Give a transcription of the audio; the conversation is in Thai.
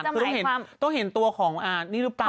ต้องเห็นตัวของนี่รึเปล่า